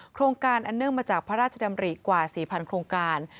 โครงการอันเนื่องมาจากพระราชดำริกว่า๔๐๐โครงการ